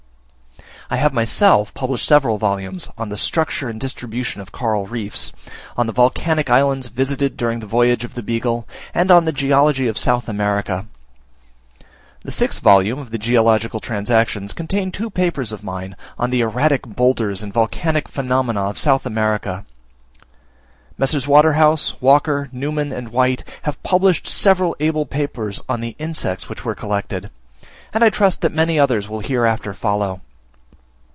I have myself published separate volumes on the 'Structure and Distribution of Coral Reefs;' on the 'Volcanic Islands visited during the Voyage of the Beagle;' and on the 'Geology of South America.' The sixth volume of the 'Geological Transactions' contains two papers of mine on the Erratic Boulders and Volcanic Phenomena of South America. Messrs. Waterhouse, Walker, Newman, and White, have published several able papers on the Insects which were collected, and I trust that many others will hereafter follow.